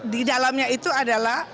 di dalamnya itu adalah